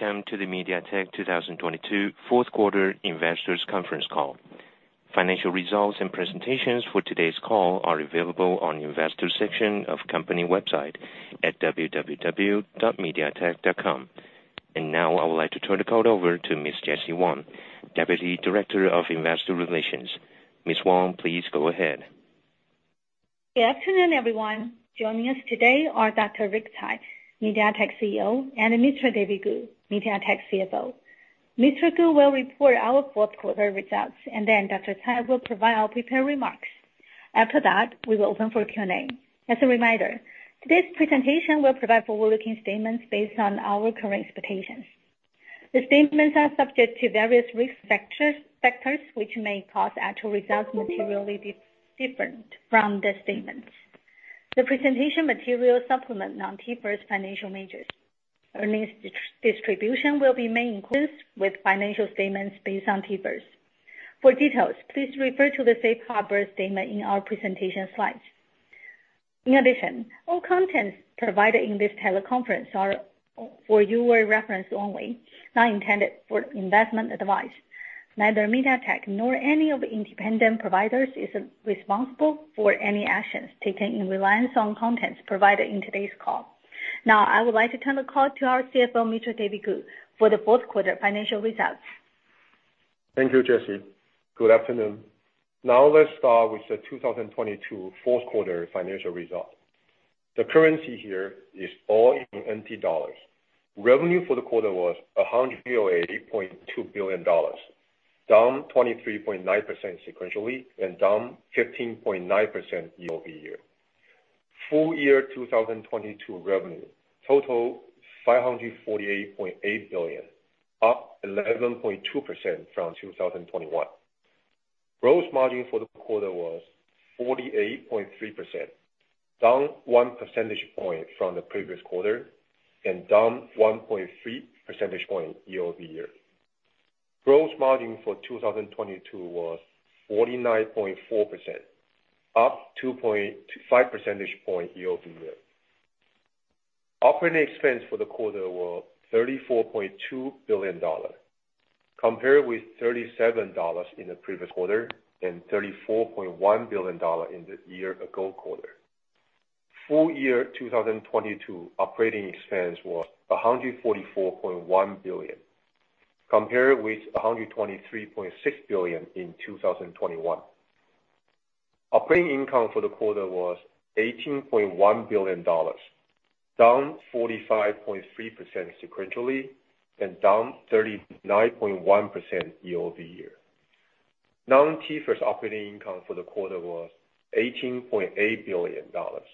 Welcome to the MediaTek 2022 fourth quarter investors conference call. Financial results and presentations for today's call are available on investor section of company website at www.mediatek.com. Now I would like to turn the call over to Miss Jessie Wang, Deputy Director of Investor Relations. Miss Wang, please go ahead. Good afternoon, everyone. Joining us today are Dr. Rick Tsai, MediaTek CEO, and Mr. David Ku, MediaTek CFO. Mr. Ku will report our fourth quarter results, and then Dr. Tsai will provide our prepared remarks. After that, we will open for Q&A. As a reminder, today's presentation will provide forward-looking statements based on our current expectations. The statements are subject to various risk factors which may cause actual results materially different from the statements. The presentation material supplement non-IFRS financial measures. Earnings distribution will be main includes with financial statements based on IFRS. For details, please refer to the safe harbor statement in our presentation slides. In addition, all contents provided in this teleconference are for your reference only, not intended for investment advice. Neither MediaTek nor any of independent providers is responsible for any actions taken in reliance on contents provided in today's call. Now I would like to turn the call to our CFO, David Ku, for the fourth quarter financial results. Thank you, Jessie. Good afternoon. Let's start with the 2022 fourth quarter financial results. The currency here is all in NT Dollars. Revenue for the quarter was 108.2 billion dollars, down 23.9% sequentially and down 15.9% year-over-year. Full year 2022 revenue total 548.8 billion, up 11.2% from 2021. Gross margin for the quarter was 48.3%, down 1 percentage point from the previous quarter and down 1.3 percentage point year-over-year. Gross margin for 2022 was 49.4%, up 2.5 percentage point year-over-year. Operating expense for the quarter were TWD 34.2 billion, compared with TWD 37 billion in the previous quarter and TWD 34.1 billion in the year ago quarter. Full year 2022 operating expense was 144.1 billion, compared with 123.6 billion in 2021. Operating income for the quarter was 18.1 billion dollars, down 45.3% sequentially and down 39.1% year-over-year. Non-IFRS operating income for the quarter was 18.8 billion dollars.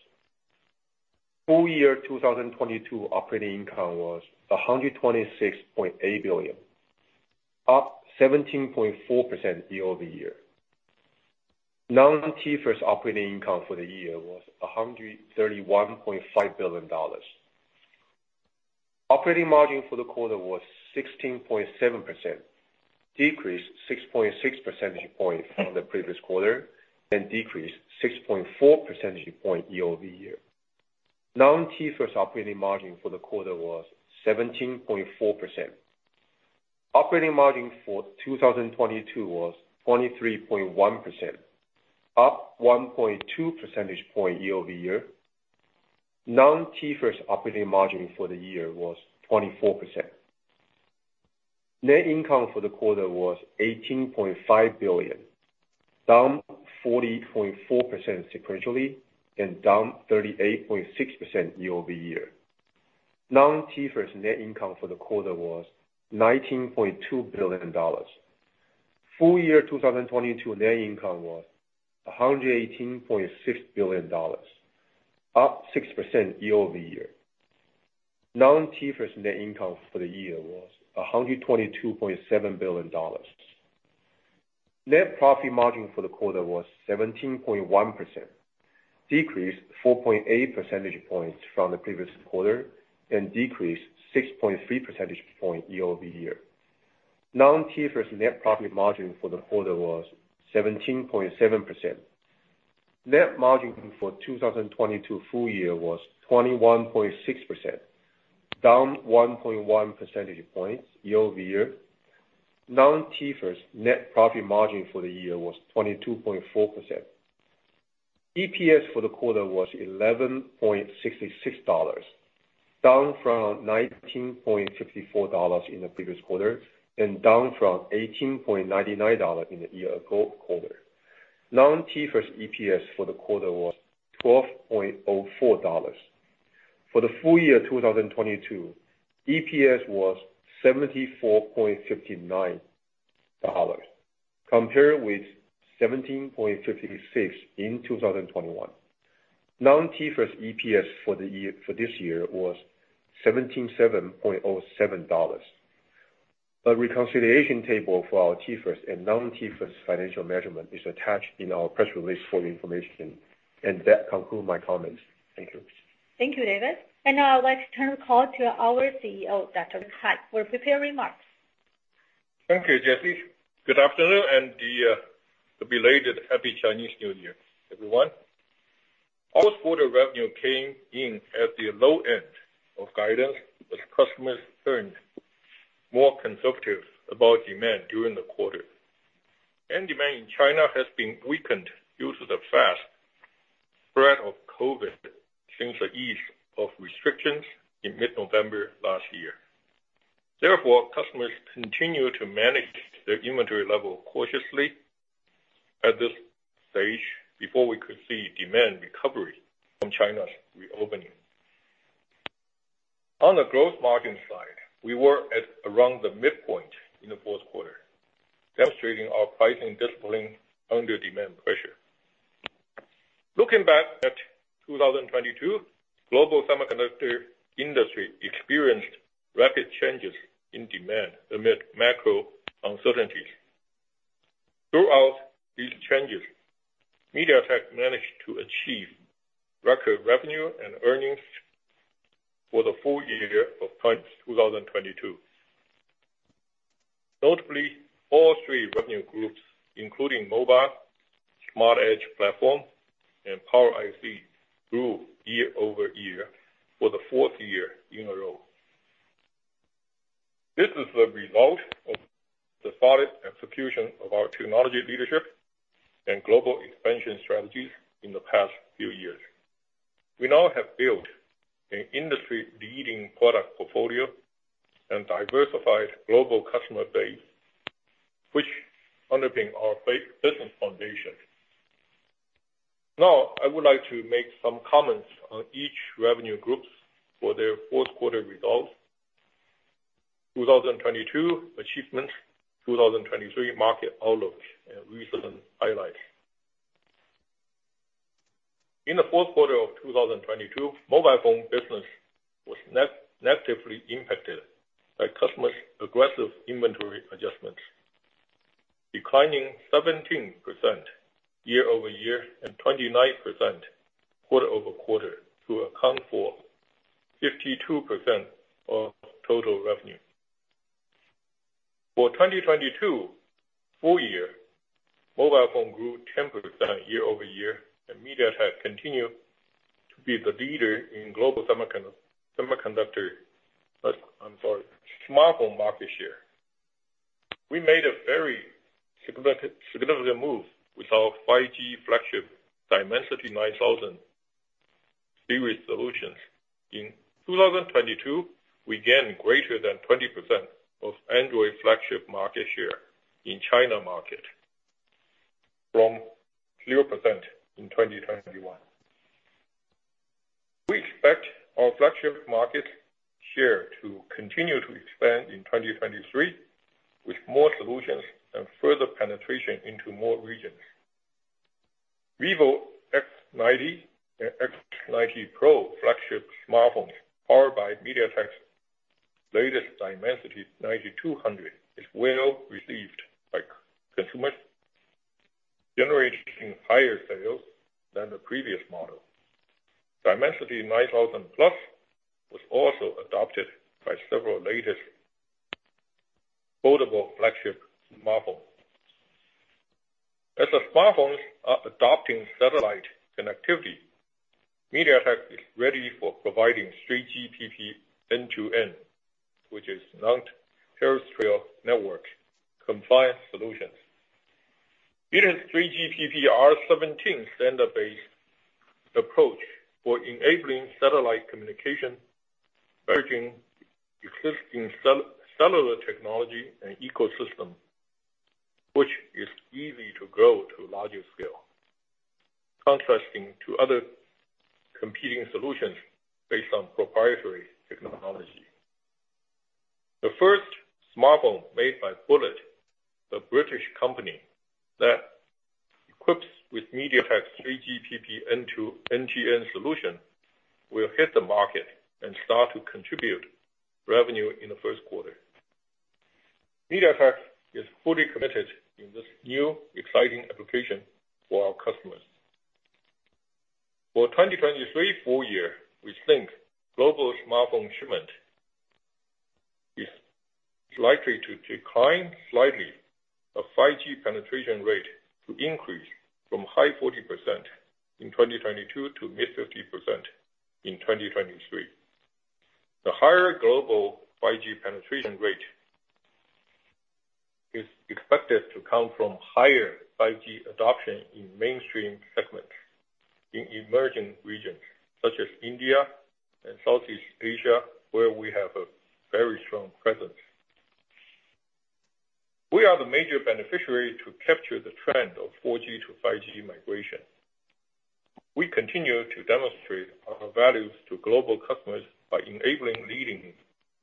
Full year 2022 operating income was 126.8 billion, up 17.4% year-over-year. Non-IFRS operating income for the year was 131.5 billion dollars. Operating margin for the quarter was 16.7%, decreased 6.6 percentage point from the previous quarter and decreased 6.4 percentage point year-over-year. Non-IFRS operating margin for the quarter was 17.4%. Operating margin for 2022 was 23.1%, up 1.2 percentage point year-over-year. Non-IFRS operating margin for the year was 24%. Net income for the quarter was 18.5 billion, down 40.4% sequentially and down 38.6% year-over-year. Non-IFRS net income for the quarter was 19.2 billion dollars. Full year 2022 net income was 118.6 billion dollars, up 6% year-over-year. Non-IFRS net income for the year was 122.7 billion dollars. Net profit margin for the quarter was 17.1%, decreased 4.8 percentage points from the previous quarter and decreased 6.3 percentage point year-over-year. Non-IFRS net profit margin for the quarter was 17.7%. Net margin for 2022 full year was 21.6%, down 1.1 percentage points year-over-year. Non-IFRS net profit margin for the year was 22.4%. EPS for the quarter was 11.66 dollars, down from 19.64 dollars in the previous quarter and down from 18.99 dollar in the year ago quarter. Non-IFRS EPS for the quarter was 12.04 dollars. For the full year 2022, EPS was 74.59 dollars, compared with 17.56 in 2021. Non-IFRS EPS for the year, for this year was 17.07 dollars. A reconciliation table for our IFRS and non-IFRS financial measurement is attached in our press release for information. That concludes my comments. Thank you. Thank you, David. Now I'd like to turn the call to our CEO, Dr. Rick Tsai, for prepared remarks. Thank you, Jessie. Good afternoon, and the belated Happy Chinese New Year, everyone. Our quarter revenue came in at the low end of guidance as customers turned more conservative about demand during the quarter. Demand in China has been weakened due to the fast spread of COVID since the ease of restrictions in mid-November last year. Therefore, customers continue to manage their inventory level cautiously at this stage before we could see demand recovery from China's reopening. On the growth margin side, we were at around the midpoint in the fourth quarter, demonstrating our pricing discipline under demand pressure. Looking back at 2022, global semiconductor industry experienced rapid changes in demand amid macro uncertainties. Throughout these changes, MediaTek managed to achieve record revenue and earnings for the full year of 2022. Notably, all three revenue groups, including Mobile, Smart Edge Platform, and Power IC grew year-over-year for the fourth year in a row. This is the result of the solid execution of our technology leadership and global expansion strategies in the past few years. We now have built an industry-leading product portfolio and diversified global customer base, which underpin our business foundation. Now, I would like to make some comments on each revenue groups for their fourth quarter results, 2022 achievements, 2023 market outlook and recent highlights. In the fourth quarter of 2022, mobile phone business was negatively impacted by customers' aggressive inventory adjustments, declining 17% year-over-year and 29% quarter-over-quarter to account for 52% of total revenue. For 2022 full year, mobile phone grew 10% year-over-year. MediaTek continued to be the leader in global semiconductor smartphone market share. We made a very significant move with our 5G flagship Dimensity 9000 series solutions. In 2022, we gained greater than 20% of Android flagship market share in China market from 0% in 2021. We expect our flagship market share to continue to expand in 2023 with more solutions and further penetration into more regions. Vivo X90 and X90 Pro flagship smartphones, powered by MediaTek's latest Dimensity 9200, is well received by consumers, generating higher sales than the previous model. Dimensity 9000+ was also adopted by several latest foldable flagship smartphone. As the smartphones are adopting satellite connectivity, MediaTek is ready for providing 3GPP end-to-end, which is Non-Terrestrial Network compliant solutions. It is 3GPP R17 standard-based approach for enabling satellite communication, merging existing cellular technology and ecosystem, which is easy to grow to larger scale, contrasting to other competing solutions based on proprietary technology. The first smartphone made by Bullitt, the British company that equips with MediaTek's 3GPP end-to-end solution, will hit the market and start to contribute revenue in the first quarter. MediaTek is fully committed in this new exciting application for our customers. For 2023 full year, we think global smartphone shipment is likely to decline slightly of 5G penetration rate to increase from high 40% in 2022 to mid 50% in 2023. The higher global 5G penetration rate is expected to come from higher 5G adoption in mainstream segments in emerging regions such as India and Southeast Asia, where we have a very strong presence. We are the major beneficiary to capture the trend of 4G to 5G migration. We continue to demonstrate our values to global customers by enabling leading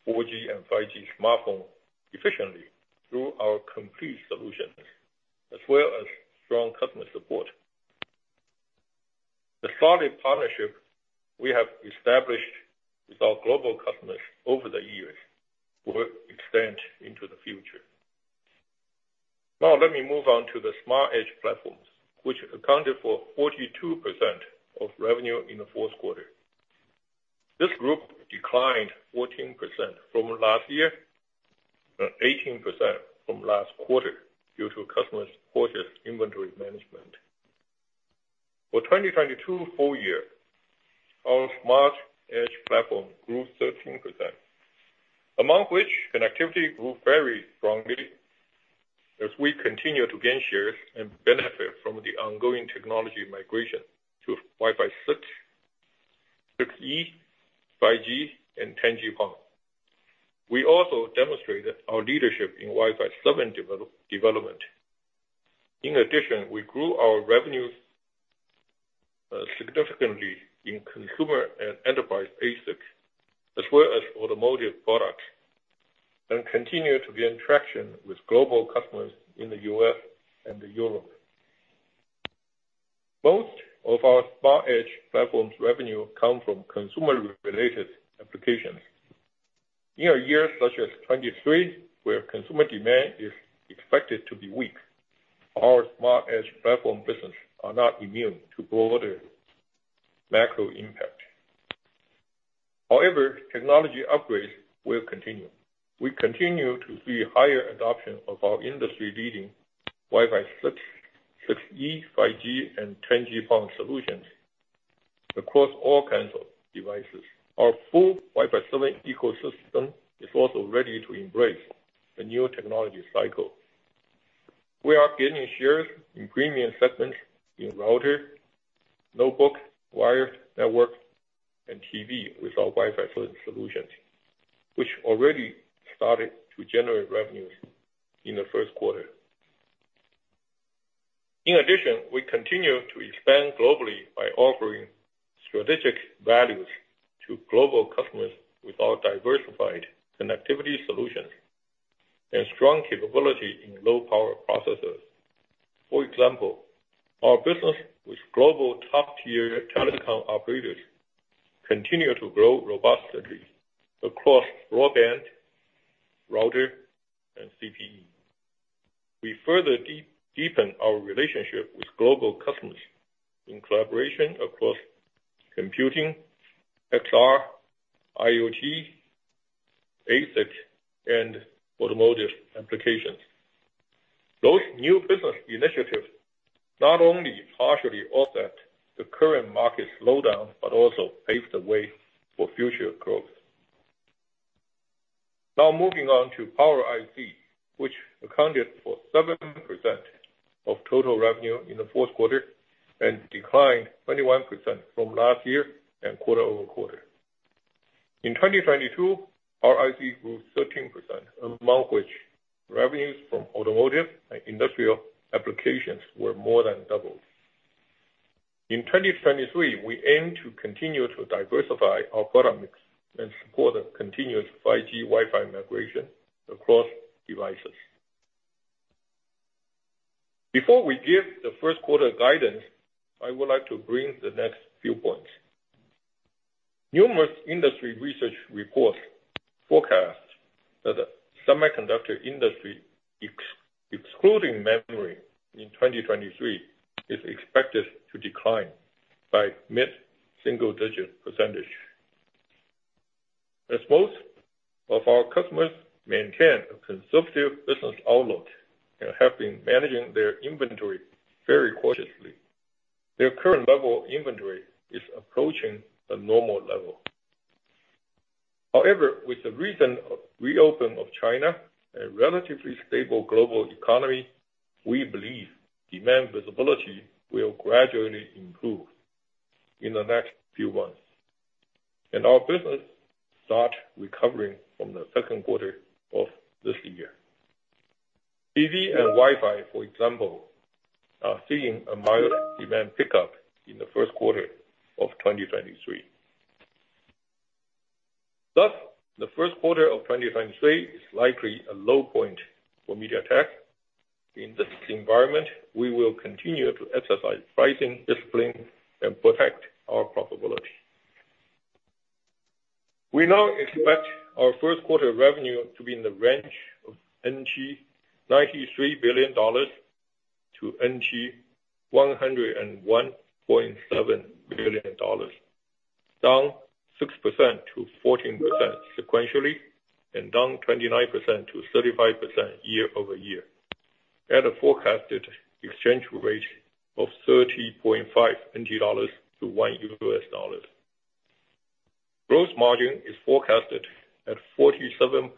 4G and 5G smartphone efficiently through our complete solutions as well as strong customer support. The solid partnership we have established with our global customers over the years will extend into the future. Now let me move on to the Smart Edge Platforms, which accounted for 42% of revenue in the fourth quarter. This group declined 14% from last year, and 18% from last quarter due to customers' cautious inventory management. For 2022 full year, our Smart Edge Platform grew 13%. Among which, connectivity grew very strongly as we continued to gain shares and benefit from the ongoing technology migration to Wi-Fi 6, 6E, 5G and 10G-PON. We also demonstrated our leadership in Wi-Fi 7 development. In addition, we grew our revenues significantly in consumer and enterprise ASIC, as well as automotive products, and continued to gain traction with global customers in the U.S. and Europe. Most of our Smart Edge Platforms revenue come from consumer-related applications. In a year such as 2023, where consumer demand is expected to be weak, our Smart Edge Platform business are not immune to broader macro impact. However, technology upgrades will continue. We continue to see higher adoption of our industry-leading Wi-Fi 6, 6E, 5G and 10G-PON solutions across all kinds of devices. Our full Wi-Fi 7 ecosystem is also ready to embrace the new technology cycle. We are gaining shares in premium segments in router, notebook, wire network and TV with our Wi-Fi solutions, which already started to generate revenues in the first quarter. In addition, we continue to expand globally by offering strategic values to global customers with our diversified connectivity solutions and strong capability in low power processors. For example, our business with global top tier telecom operators continue to grow robustly across broadband, router and CPE. We further deepen our relationship with global customers in collaboration across computing, XR, IoT, ASIC and automotive applications. Those new business initiatives not only partially offset the current market slowdown, but also pave the way for future growth. Now moving on to Power IC, which accounted for 7% of total revenue in the fourth quarter and declined 21% from last year and quarter-over-quarter. In 2022, our Power IC grew 13%, among which revenues from automotive and industrial applications were more than doubled. In 2023, we aim to continue to diversify our product mix and support the continuous 5G Wi-Fi migration across devices. Before we give the first quarter guidance, I would like to bring the next few points. Numerous industry research reports forecast that the semiconductor industry excluding memory in 2023 is expected to decline by mid-single digit percentage. Most of our customers maintain a conservative business outlook and have been managing their inventory very cautiously. Their current level of inventory is approaching a normal level. However, with the recent reopen of China, a relatively stable global economy, we believe demand visibility will gradually improve in the next few months, and our business start recovering from the second quarter of this year. TV and Wi-Fi, for example, are seeing a mild demand pickup in the first quarter of 2023. Thus, the first quarter of 2023 is likely a low point for MediaTek. In this environment, we will continue to exercise pricing discipline and protect our profitability. We now expect our first quarter revenue to be in the range of 93 billion-101.7 billion dollars, down 6%-14% sequentially, and down 29%-35% year-over-year at a forecasted exchange rate of 30.5 NT dollars to 1 US dollar. Gross margin is forecasted at 47.5%,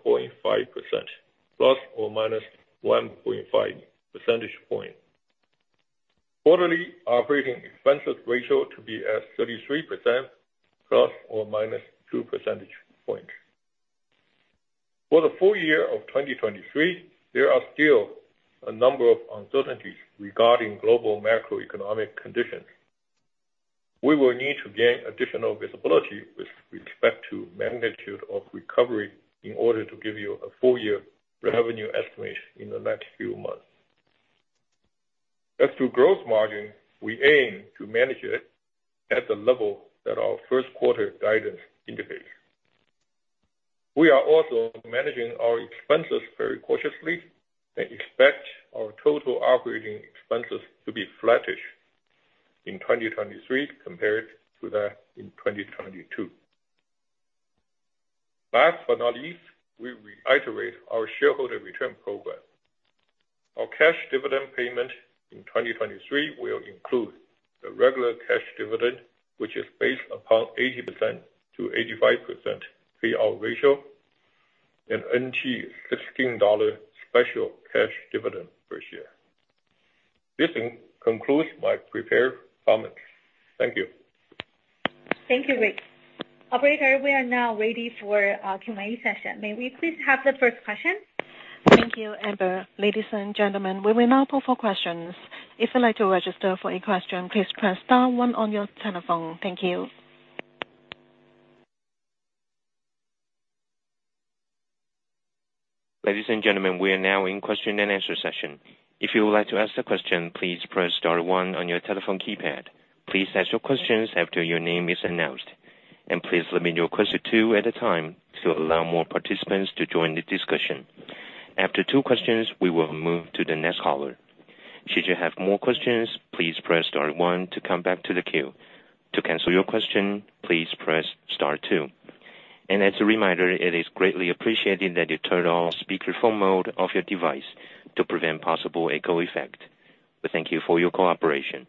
±1.5 percentage point. Quarterly operating expenses ratio to be at 33%, ±2 percentage point. For the full year of 2023, there are still a number of uncertainties regarding global macroeconomic conditions. We will need to gain additional visibility with respect to magnitude of recovery in order to give you a full year revenue estimate in the next few months. As to gross margin, we aim to manage it at the level that our first quarter guidance indicates. We are also managing our expenses very cautiously and expect our total operating expenses to be flattish in 2023 compared to that in 2022. Last but not least, we reiterate our shareholder return program. Our cash dividend payment in 2023 will include the regular cash dividend, which is based upon 80%-85% payout ratio and 16 dollar special cash dividend per share. This concludes my prepared comments. Thank you. Thank you, Rick. Operator, we are now ready for Q&A session. May we please have the first question? Thank you, Amber. Ladies and gentlemen, we will now go for questions. If you'd like to register for a question, please press star one on your telephone. Thank you. Ladies and gentlemen, we are now in question and answer session. If you would like to ask the question, please press star one on your telephone keypad. Please ask your questions after your name is announced. Please limit your question two at a time to allow more participants to join the discussion. After two questions, we will move to the next caller. Should you have more questions, please press star one to come back to the queue. To cancel your question, please press star two. As a reminder, it is greatly appreciated that you turn off speakerphone mode of your device to prevent possible echo effect. We thank you for your cooperation.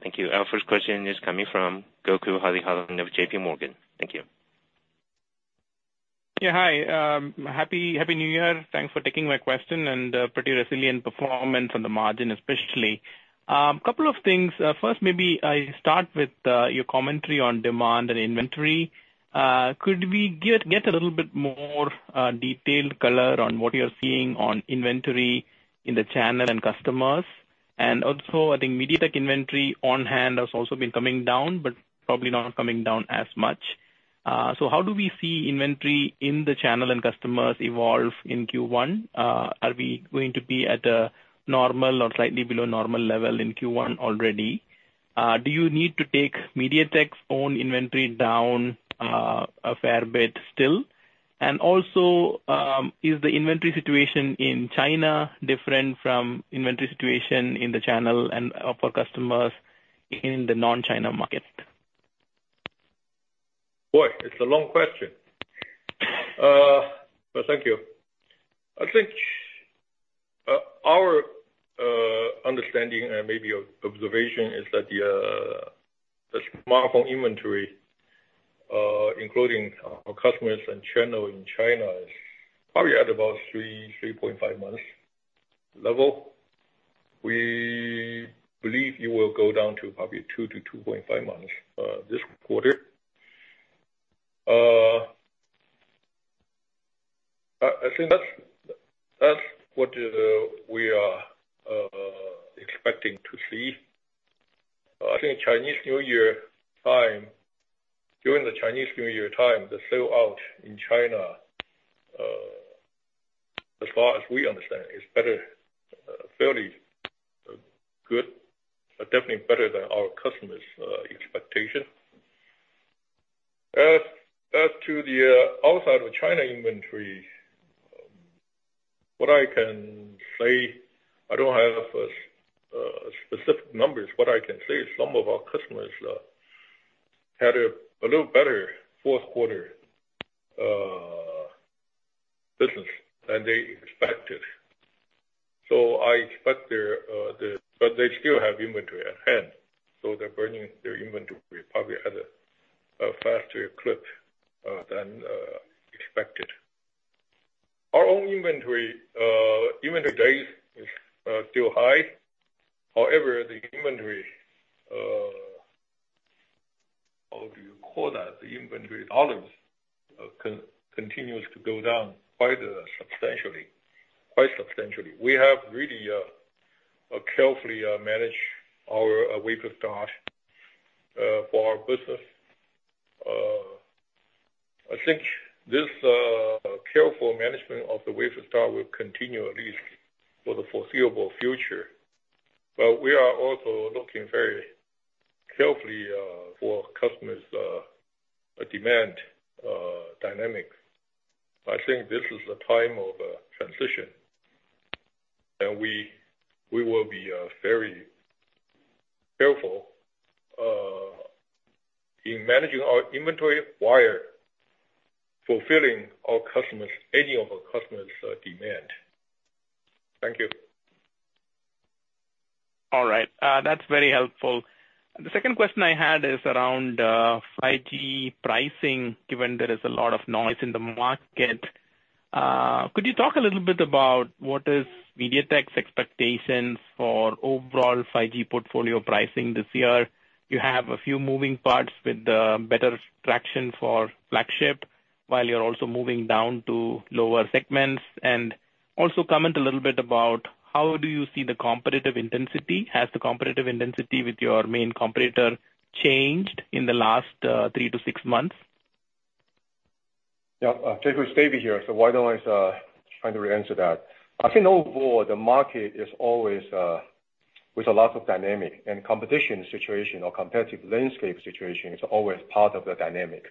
Thank you. Our first question is coming from Gokul Hariharan of JPMorgan. Thank you. Yeah, hi. Happy New Year. Thanks for taking my question. Pretty resilient performance on the margin, especially. Couple of things. First, maybe I start with your commentary on demand and inventory. Could we get a little bit more detailed color on what you're seeing on inventory in the channel and customers? Also, I think MediaTek inventory on-hand has also been coming down, but probably not coming down as much. How do we see inventory in the channel and customers evolve in Q1? Are we going to be at a normal or slightly below normal level in Q1 already? Do you need to take MediaTek's own inventory down a fair bit still? Is the inventory situation in China different from inventory situation in the channel and of our customers in the non-China market? Boy, it's a long question. Thank you. I think our understanding and maybe observation is that the smartphone inventory, including our customers and channel in China is probably at about 3.5 months level. We believe it will go down to probably 2-2.5 months this quarter. I think that's what we are expecting to see. During the Chinese New Year time, the sell-out in China, as far as we understand, is better, fairly good, but definitely better than our customers expectation. As to the outside of China inventory, what I can say, I don't have specific numbers. What I can say is some of our customers had a little better fourth quarter business than they expected. They still have inventory at hand, so they're burning their inventory probably at a faster clip than expected. Our own inventory days is still high. However, the inventory, how do you call that? The inventory dollars continues to go down quite substantially. We have really carefully managed our wafer start for our business. I think this careful management of the wafer start will continue, at least for the foreseeable future. We are also looking very carefully for customers demand dynamics. I think this is a time of transition, and we will be very careful in managing our inventory while fulfilling our customers, any of our customers, demand. Thank you. All right. That's very helpful. The second question I had is around 5G pricing, given there is a lot of noise in the market. Could you talk a little bit about what is MediaTek's expectations for overall 5G portfolio pricing this year? You have a few moving parts with better traction for flagship, while you're also moving down to lower segments. Also comment a little bit about how do you see the competitive intensity. Has the competitive intensity with your main competitor changed in the last 3 to 6 months? Jacob, it's David here. Why don't I try to re-answer that? I think overall, the market is always with a lot of dynamic and competition situation or competitive landscape situation is always part of the dynamic.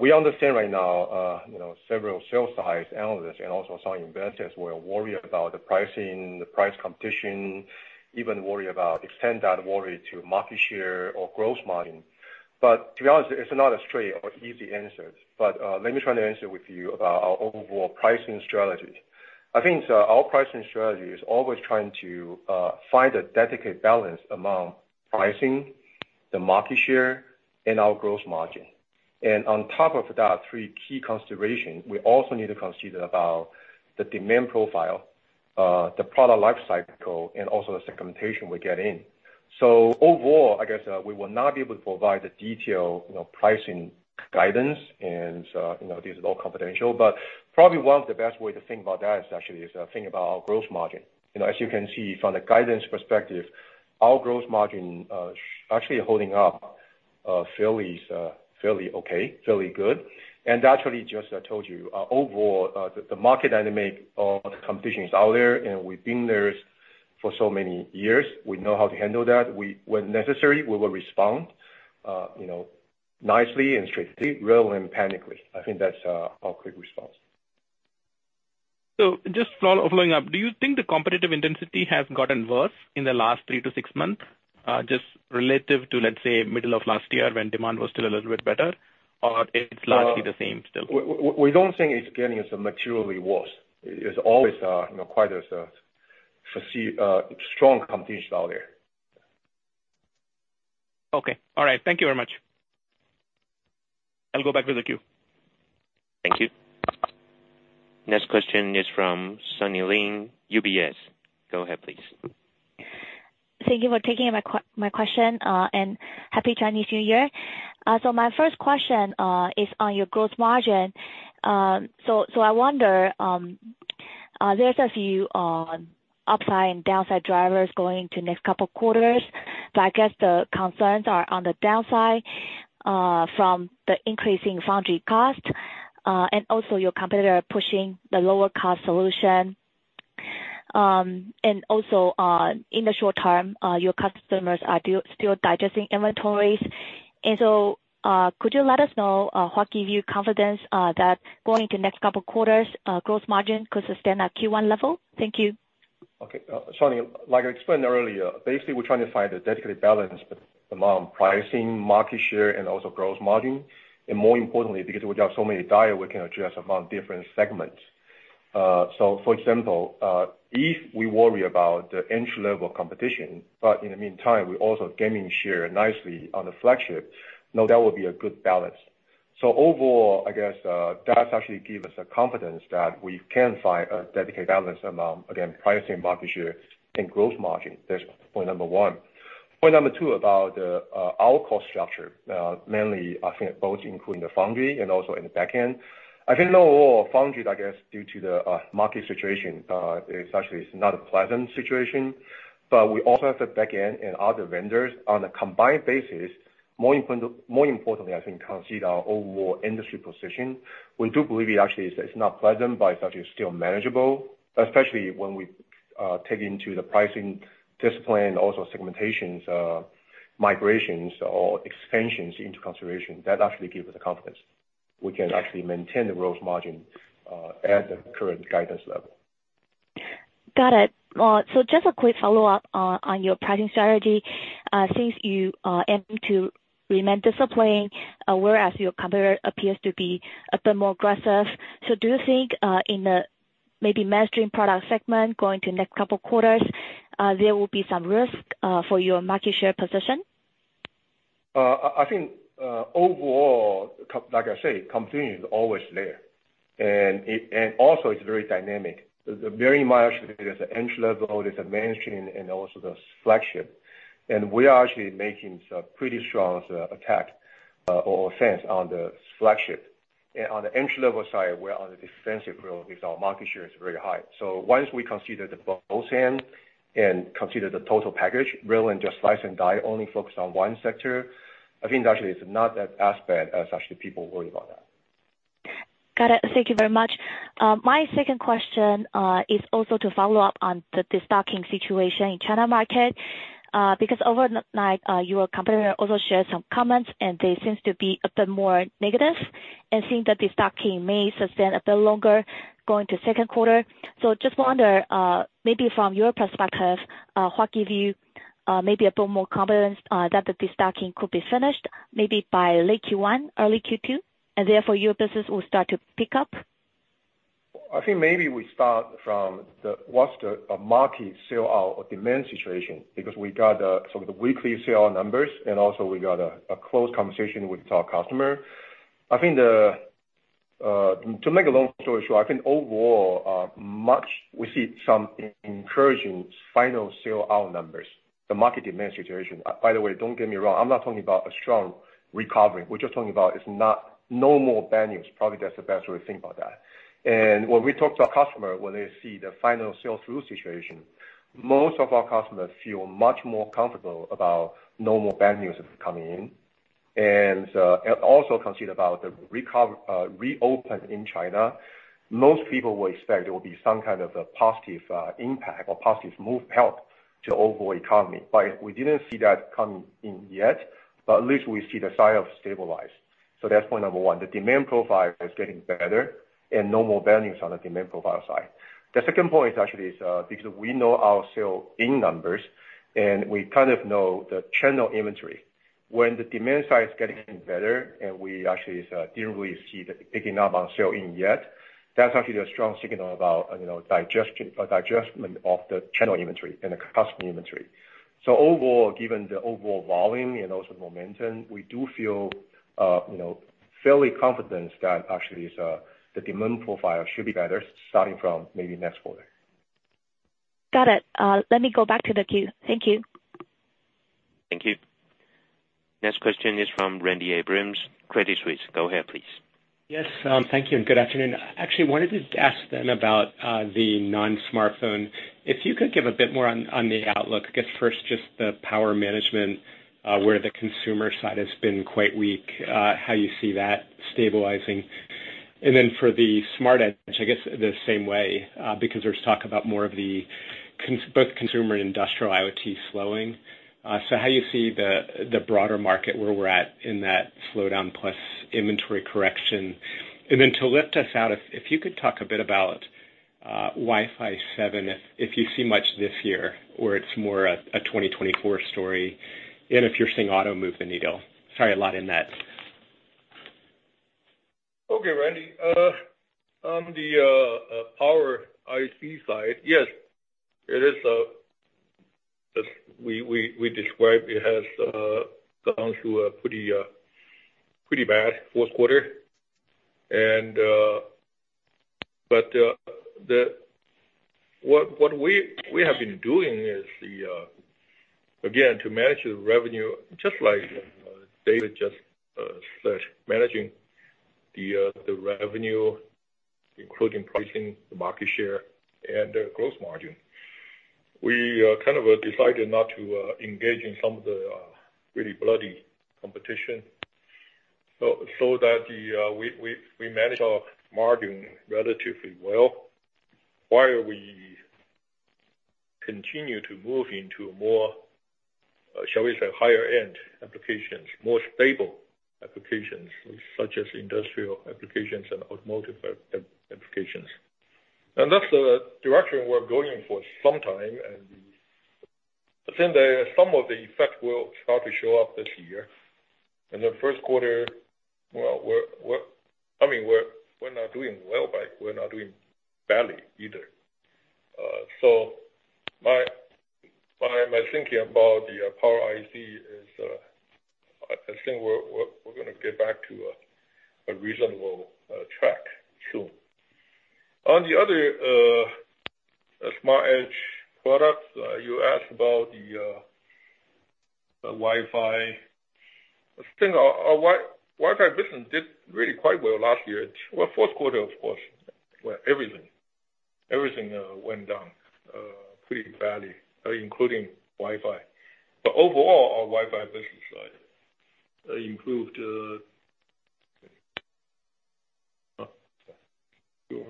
We understand right now, you know, several sell-side analysts and also some investors were worried about the pricing, the price competition, even worry about extend that worry to market share or gross margin. To be honest, it's not a straight or easy answer, but let me try to answer with you about our overall pricing strategy. I think, our pricing strategy is always trying to find a dedicated balance among pricing, the market share, and our gross margin. On top of that three key consideration, we also need to consider about the demand profile, the product life cycle, and also the segmentation we get in. Overall, I guess, we will not be able to provide the detailed, you know, pricing guidance and, you know, this is all confidential, but probably one of the best way to think about that is actually is, think about our gross margin. You know, as you can see from the guidance perspective, our gross margin actually holding up fairly okay, fairly good. Actually, just I told you, overall, the market dynamic or the competition is out there, and we've been there for so many years, we know how to handle that. We, when necessary, we will respond, you know, nicely and strategically rather than panickily. I think that's our quick response. Just following up. Do you think the competitive intensity has gotten worse in the last three to six months, just relative to, let's say, middle of last year when demand was still a little bit better, or it's largely the same still? We don't think it's getting materially worse. It is always, you know, quite as a strong competition out there. Okay. All right. Thank you very much. I'll go back to the queue. Thank you. Next question is from Sunny Lin, UBS. Go ahead, please. Thank you for taking my question, and Happy Chinese New Year. My first question is on your gross margin. I wonder there's a few upside and downside drivers going to next couple quarters, but I guess the concerns are on the downside from the increasing foundry cost, and also your competitor pushing the lower cost solution. In the short term, your customers are still digesting inventories. Could you let us know what give you confidence that going to next couple quarters gross margin could sustain at Q1 level? Thank you. Sunny, like I explained earlier, basically we're trying to find a dedicated balance among pricing, market share, and also gross margin, and more importantly, because we've got so many dial we can adjust among different segments. For example, if we worry about the entry level competition, but in the meantime, we're also gaining share nicely on the flagship, now that would be a good balance. Overall, I guess, that actually give us the confidence that we can find a dedicated balance among, again, pricing, market share, and growth margin. That's point number one. Point number two about our cost structure, mainly I think both including the foundry and also in the back end. I think overall foundry, I guess, due to the market situation, it's actually not a pleasant situation, but we also have the back end and other vendors on a combined basis. More importantly, I think consider our overall industry position. We do believe it actually is not pleasant, but it's actually still manageable, especially when we take into the pricing discipline, also segmentations, migrations or expansions into consideration. That actually give us the confidence we can actually maintain the growth margin, at the current guidance level. Got it. Just a quick follow-up on your pricing strategy. Since you aim to remain disciplined, whereas your competitor appears to be a bit more aggressive, do you think in the maybe mainstream product segment going to next couple quarters, there will be some risk for your market share position? I think, overall, like I say, competition is always there. Also it's very dynamic. Very much there's an entry level, there's a mainstream, and also there's flagship. We are actually making some pretty strong attack or offense on the flagship. On the entry-level side, we're on the defensive role because our market share is very high. Once we consider the both end and consider the total package rather than just slice and die, only focused on one sector, I think actually it's not that as bad as actually people worry about that. Got it. Thank you very much. My second question is also to follow up on the destocking situation in China market. Because overnight, your competitor also shared some comments, and they seems to be a bit more negative and saying that destocking may sustain a bit longer going to second quarter. Just wonder, maybe from your perspective, what give you, maybe a bit more confidence, that the destocking could be finished maybe by late Q1, early Q2, and therefore your business will start to pick up? I think maybe we start from the what's the market sell out or demand situation, because we got some of the weekly sell numbers, and also we got a close conversation with our customer. I think the to make a long story short, I think overall, much we see some encouraging final sell out numbers, the market demand situation. By the way, don't get me wrong, I'm not talking about a strong recovery. We're just talking about it's not no more bad news. Probably that's the best way to think about that. When we talk to our customer, when they see the final sell-through situation, most of our customers feel much more comfortable about no more bad news coming in. Also consider about the reopen in China. Most people will expect there will be some kind of a positive impact or positive move, help to overall economy. We didn't see that come in yet, but at least we see the sign of stabilize. That's point number one. The demand profile is getting better and no more bad news on the demand profile side. The second point is actually, because we know our sale in numbers, and we kind of know the channel inventory. When the demand side is getting better and we actually didn't really see the picking up on sale in yet, that's actually a strong signal about, you know, adjustment of the channel inventory and the customer inventory. Overall, given the overall volume and also the momentum, we do feel, you know, fairly confident that actually is, the demand profile should be better starting from maybe next quarter. Got it. Let me go back to the queue. Thank you. Thank you. Next question is from Randy Abrams, Credit Suisse. Go ahead, please. Yes, thank you and good afternoon. I actually wanted to ask then about the non-smartphone. If you could give a bit more on the outlook, I guess first just the power management, where the consumer side has been quite weak, how you see that stabilizing. And then for the Smart Edge, I guess the same way, because there's talk about more of the both consumer and industrial IoT slowing. How you see the broader market where we're at in that slowdown plus inventory correction. And then to lift us out, if you could talk a bit about Wi-Fi 7, if you see much this year or it's more a 2024 story and if you're seeing auto move the needle. Sorry, a lot in that. Okay, Randy. On the Power IC side, yes, it is, we described it has gone through a pretty bad fourth quarter. What we have been doing is again, to manage the revenue just like David said, managing the revenue including pricing, the market share and the growth margin. We kind of decided not to engage in some of the really bloody competition so that we manage our margin relatively well while we continue to move into a more, shall we say, higher end applications, more stable applications such as industrial applications and automotive applications. That's the direction we're going for some time. I think some of the effect will start to show up this year. In the first quarter, well, I mean, we're not doing well, but we're not doing badly either. My, my thinking about the Power IC is, I think we're gonna get back to a reasonable track soon. On the other smart edge products, you asked about the Wi-Fi. I think our Wi-Fi business did really quite well last year. Well, fourth quarter of course, where everything went down pretty badly, including Wi-Fi. Overall, our Wi-Fi business improved 28%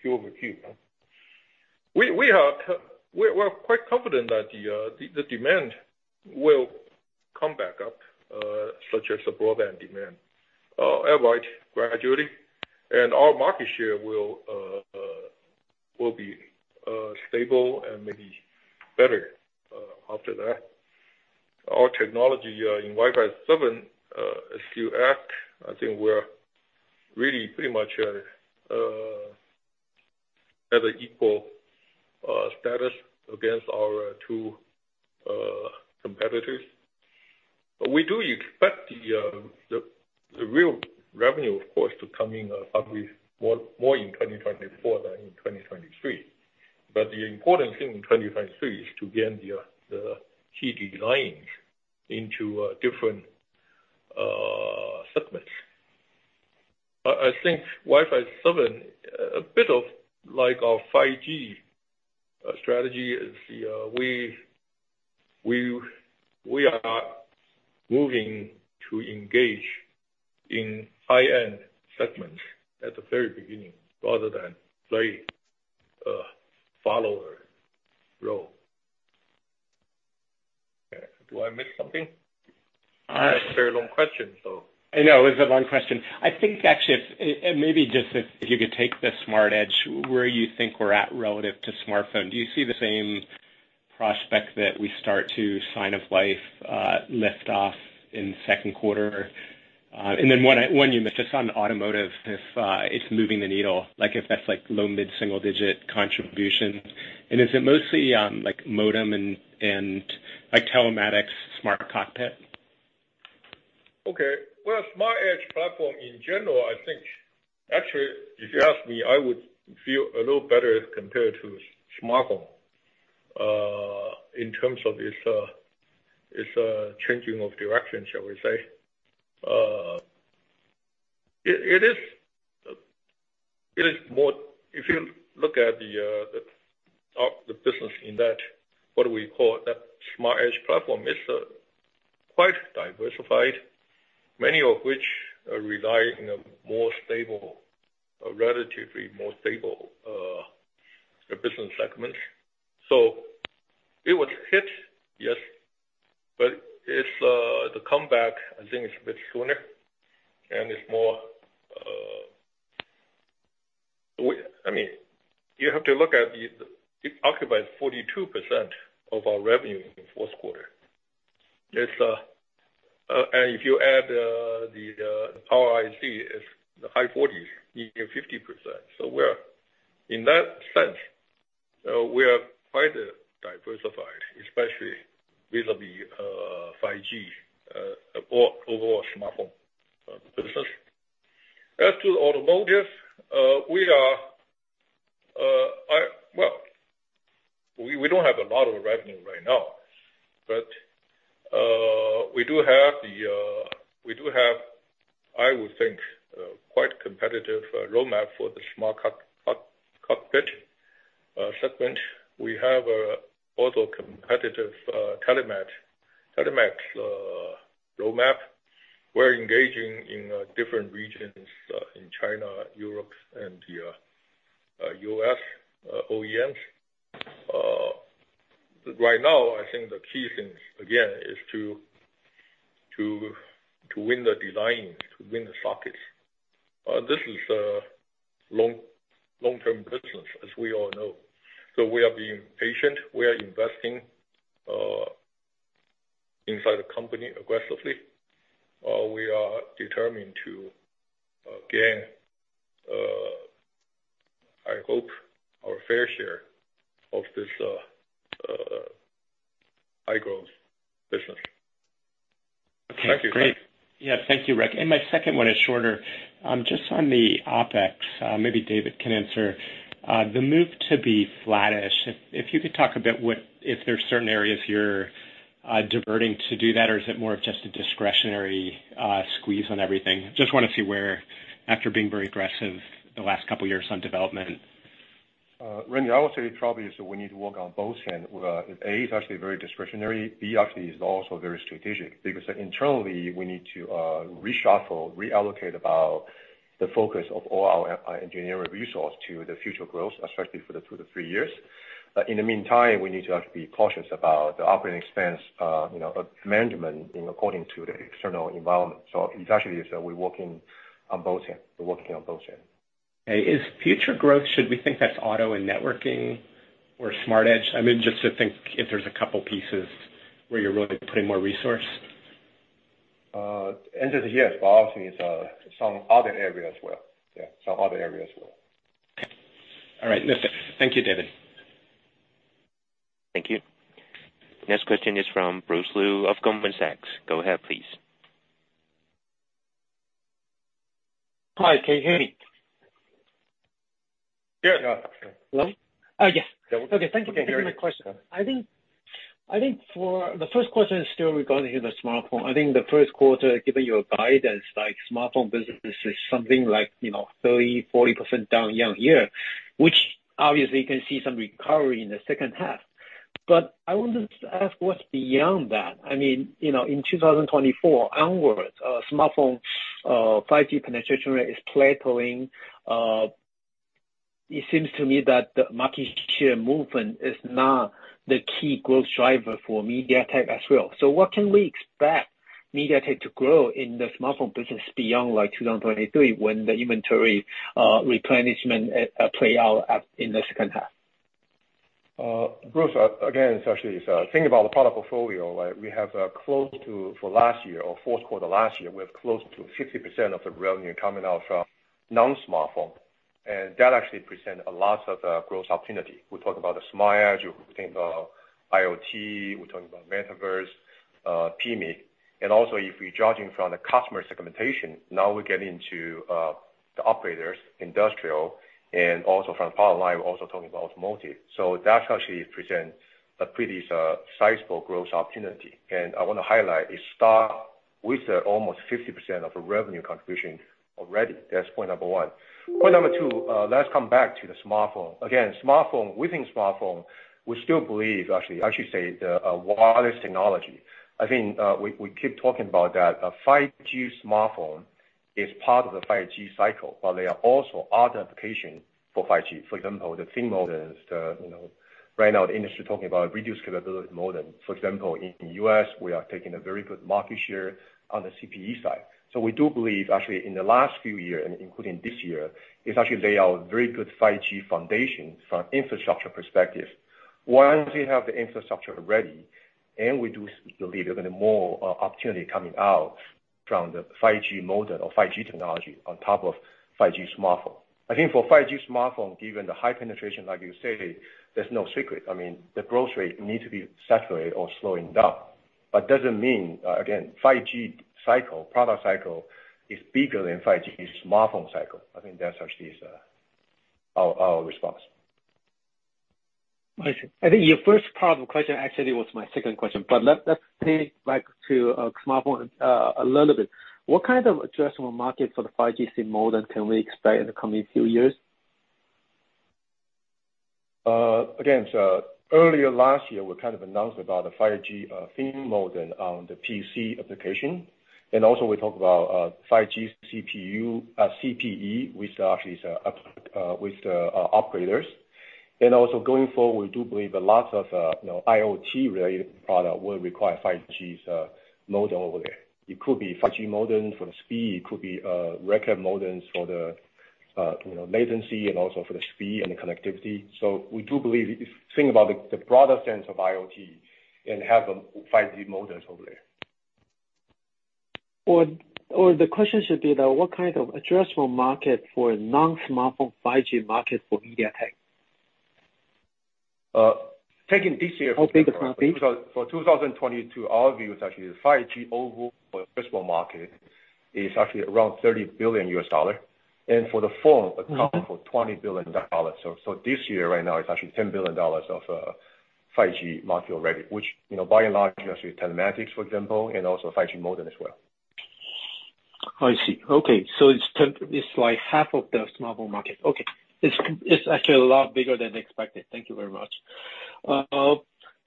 Q over Q. We are quite confident that the demand will come back up, such as the broadband demand, albeit gradually, and our market share will be stable and maybe better after that. Our technology in Wi-Fi 7, as you ask, I think we're really pretty much at an equal status against our two competitors. We do expect the real revenue of course to come in probably more in 2024 than in 2023. The important thing in 2023 is to get the key designs into different segments. I think Wi-Fi 7, a bit of like our 5G strategy is we are not moving to engage in high-end segments at the very beginning rather than play a follower role. Okay. Do I miss something? Uh. Very long question, so. I know it was a long question. I think actually if you could take the Smart Edge where you think we're at relative to smartphone. Do you see the same prospect that we start to sign of life, lift off in second quarter? One you missed, just on automotive, if it's moving the needle, like if that's like low mid-single digit contribution. Is it mostly, like modem and like telematics smart cockpit? Okay. Well, Smart Edge Platform in general I think, actually if you ask me, I would feel a little better compared to smartphone, in terms of its, changing of direction shall we say. It is more if you look at the business in that, what do we call it? That Smart Edge Platform, it's quite diversified, many of which rely, you know, more stable or relatively more stable business segments. It was hit, yes, but it's the comeback, I think it's a bit sooner and it's more. I mean, you have to look at it. It occupies 42% of our revenue in the fourth quarter. It's if you add the Power IC, it's the high 40%, even 50%. We're, in that sense, we are quite diversified, especially vis-a-vis 5G or overall smartphone business. As to automotive, we are. Well, we don't have a lot of revenue right now, but we do have, I would think, quite competitive roadmap for the smart cockpit segment. We have a also competitive telematics roadmap. We're engaging in different regions in China, Europe, and the U.S. OEMs. Right now, I think the key thing, again, is to win the designs, to win the sockets. This is a long-term business, as we all know. We are being patient. We are investing inside the company aggressively. We are determined to gain, I hope, our fair share of this high-growth business. Okay, great. Yeah. Thank you, Rick. My second one is shorter. Just on the OpEx, maybe David can answer. The move to be flattish, if you could talk a bit if there's certain areas you're diverting to do that, or is it more of just a discretionary squeeze on everything? Just wanna see where after being very aggressive the last couple years on development. Randy, I would say probably is we need to work on both end. A is actually very discretionary. B actually is also very strategic. Internally, we need to reshuffle, reallocate about the focus of all our engineering resource to the future growth, especially for the two to three years. In the meantime, we need to actually be cautious about the operating expense, you know, management in according to the external environment. It's actually is, we're working on both end. We're working on both end. Is future growth, should we think that's auto and networking or Smart Edge? I mean, just to think if there's a couple pieces where you're really putting more resource. The answer is yes. Obviously it's some other area as well. Some other area as well. Okay. All right. Listen. Thank you, David. Thank you. Next question is from Bruce Lu of Goldman Sachs. Go ahead, please. Hi, can you hear me? Yes. Yeah. Hello? Oh, yes. Yeah. We can hear you. Okay. Thank you. Thank you for my question. I think for the first question is still regarding the smartphone. I think the first quarter, given your guidance, like smartphone business is something like, you know, 30%-40% down year-over-year, which obviously you can see some recovery in the second half. I wanted to ask what's beyond that. I mean, you know, in 2024 onwards, smartphone, 5G penetration rate is plateauing. It seems to me that the market share movement is not the key growth driver for MediaTek as well. What can we expect MediaTek to grow in the smartphone business beyond like 2023 when the inventory, replenishment, play out at, in the second half? Bruce, again, it's actually is, think about the product portfolio, right? We have, close to, for last year or fourth quarter last year, we have close to 50% of the revenue coming out from non-smartphone, and that actually present a lot of, growth opportunity. We talk about the Smart Edge, we think about IoT, we're talking about Metaverse, PMIC. Also if we judging from the customer segmentation, now we get into, the operators, industrial, and also from power line, we're also talking about automotive. That actually presents a pretty, sizable growth opportunity. I wanna highlight, it start with almost 50% of the revenue contribution already. That's point number one. Point number two, let's come back to the smartphone. Again, smartphone, within smartphone, we still believe, actually, I should say the, wireless technology. We keep talking about that a 5G smartphone is part of the 5G cycle, but there are also other application for 5G. For example, the thin modem, you know, right now the industry talking about Reduced Capability model. For example, in US, we are taking a very good market share on the CPE side. We do believe actually in the last few year, and including this year, is actually lay out very good 5G foundation from infrastructure perspective. Once we have the infrastructure ready, and we do believe there's gonna be more opportunity coming out from the 5G model or 5G technology on top of 5G smartphone. For 5G smartphone, given the high penetration like you say, there's no secret. I mean, the growth rate need to be saturated or slowing down. doesn't mean, again, 5G cycle, product cycle, is bigger than 5G smartphone cycle. I think that actually is, our response. I see. I think your first part of the question actually was my second question, Let's take back to smartphone a little bit. What kind of addressable market for the 5G SIM modem can we expect in the coming few years? Again, earlier last year, we kind of announced about the 5G SIM modem on the PC application. We talked about 5G CPU, CPE, which actually is with the upgraders. Going forward, we do believe a lot of, you know, IoT related product will require 5G modem over there. It could be 5G modem for the speed, it could be RedCap modems for the, you know, latency and also for the speed and the connectivity. We do believe if you think about the broader sense of IoT and have the 5G modems over there. The question should be that what kind of addressable market for a non-smartphone 5G market for MediaTek? Taking this year For 2022, our view is actually the 5G overall addressable market is actually around TWD 30 billion. For the phone account for 20 billion dollars. This year, right now, it's actually 10 billion dollars of 5G market already, which, you know, by and large is actually telematics, for example, and also 5G modem as well. I see. Okay. It's like half of the smartphone market. Okay. It's actually a lot bigger than expected. Thank you very much.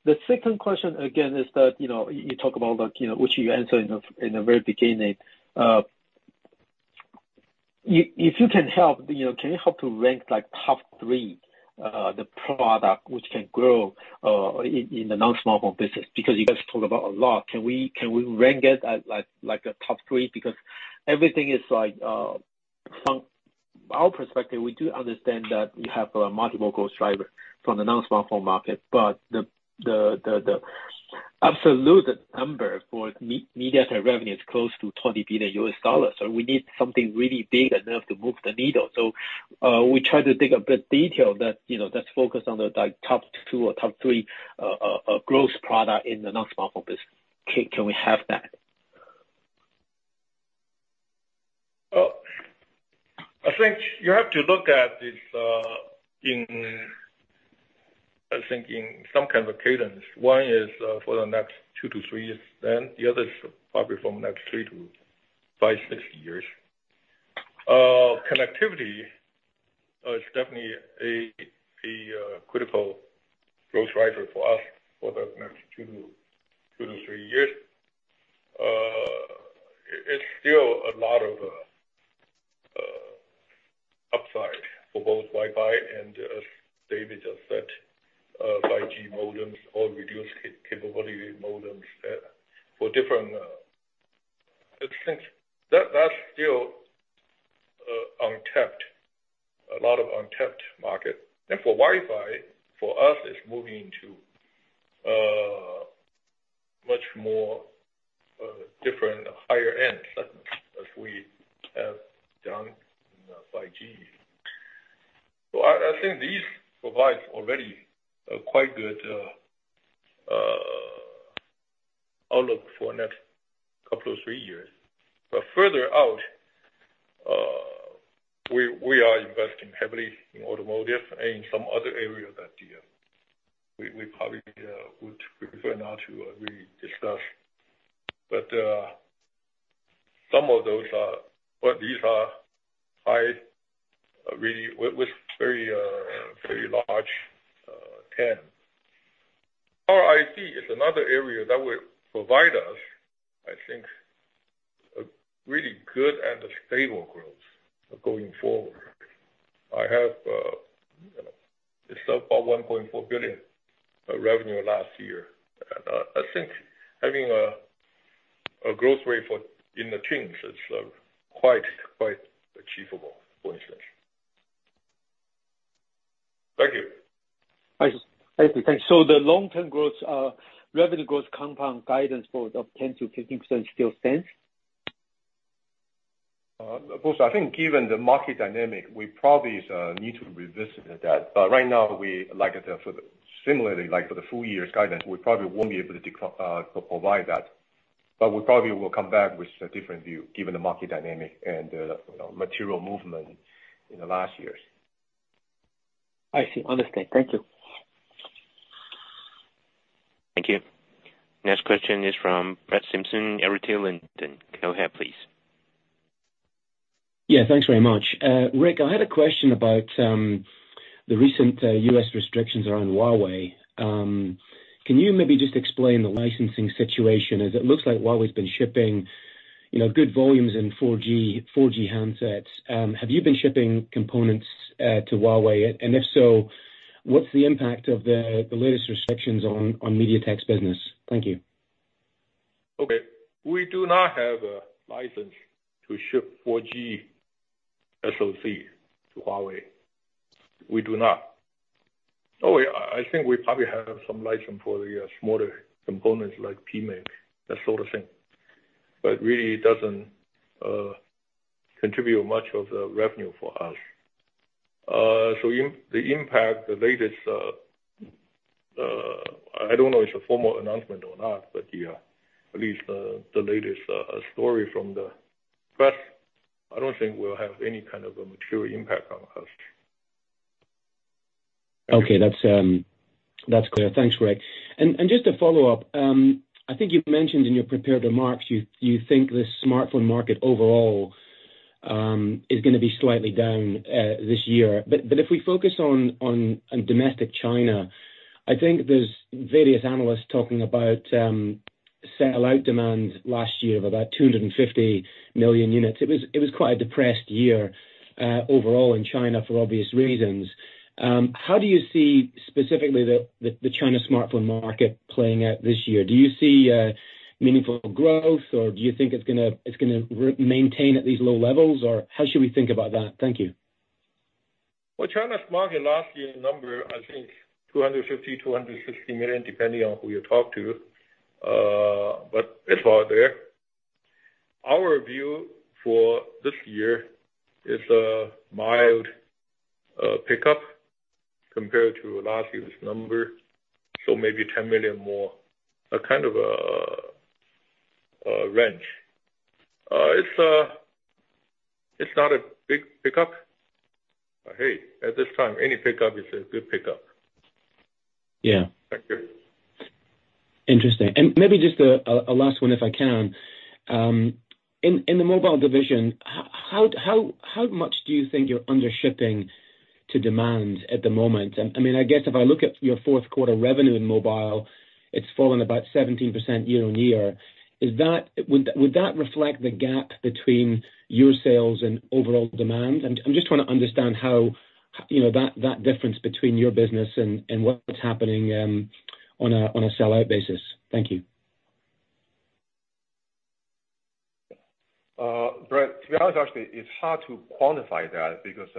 The second question again is that, you know, you talk about like, you know, which you answered in the very beginning. If you can help, you know, can you help to rank like top three, the product which can grow, in the non-smartphone business? You guys talk about a lot. Can we rank it at like a top three? Everything is like, from our perspective, we do understand that you have a multiple growth driver from the non-smartphone market, but the absolute number for MediaTek revenue is close to TWD 20 billion, so we need something really big enough to move the needle. We try to dig a bit detail that, you know, that's focused on the, like, top two or top three, growth product in the non-smartphone business. Can we have that? Well, I think you have to look at this in, I think in some kind of cadence. One is for the next two to three years, the other is probably from the next three to five, six years. Connectivity is definitely a critical growth driver for us for the next two to three years. It's still a lot of upside for both Wi-Fi and, as David just said, 5G modems or Reduced Capability modems for different, I think that's still untapped, a lot of untapped market. For Wi-Fi, for us, it's moving into much more different higher end segments as we have done in 5G. I think these provides already a quite good outlook for next couple of three years. Further out, we are investing heavily in automotive and some other areas that we probably would prefer not to really discuss. These are high, really with very large ten. Our IT is another area that will provide us, I think, a really good and a stable growth going forward. I have, you know, it's up of 1.4 billion revenue last year. I think having a growth rate for, in the teens is quite achievable for expansion. Thank you. I see. Thank you. The long-term growth, revenue growth compound guidance for the 10%-15% still stands? Of course, I think given the market dynamic, we probably need to revisit that. Right now, we like it for the similarly, like for the full year's guidance, we probably won't be able to provide that. We probably will come back with a different view given the market dynamic and, you know, material movement in the last years. I see. Understand. Thank you. Thank you. Next question is from Brett Simpson, Arete Research. Go ahead, please. Yeah. Thanks very much. Rick, I had a question about the recent U.S. restrictions around Huawei. Can you maybe just explain the licensing situation, as it looks like Huawei's been shipping, you know, good volumes in 4G handsets. Have you been shipping components to Huawei? And if so, what's the impact of the latest restrictions on MediaTek's business? Thank you. Okay. We do not have a license to ship 4G SoC to Huawei. We do not. Yeah, I think we probably have some license for the smaller components like PMIC, that sort of thing. Really it doesn't contribute much of the revenue for us. The impact, the latest, I don't know if it's a formal announcement or not, yeah, at least, the latest story from the press. I don't think we'll have any kind of a material impact on us. Okay. That's clear. Thanks, Rick. Just to follow up, I think you've mentioned in your prepared remarks, you think the smartphone market overall is gonna be slightly down this year. If we focus on domestic China, I think there's various analysts talking about sellout demand last year of about 250 million units. It was quite a depressed year overall in China for obvious reasons. How do you see specifically the China smartphone market playing out this year? Do you see meaningful growth, or do you think it's gonna maintain at these low levels, or how should we think about that? Thank you. Well, China's market last year number, I think 250 million, depending on who you talk to, but it's about there. Our view for this year is a mild pickup compared to last year's number, so maybe 10 million more, a kind of a range. It's not a big pickup. Hey, at this time, any pickup is a good pickup. Yeah. Thank you. Interesting. Maybe just a last one if I can. In the mobile division, how much do you think you're under shipping to demand at the moment? I mean, I guess if I look at your fourth quarter revenue in mobile, it's fallen about 17% year-on-year. Is that? Would that reflect the gap between your sales and overall demand? I'm just trying to understand how, you know, that difference between your business and what's happening on a sellout basis. Thank you. Brett, to be honest actually it's hard to quantify that because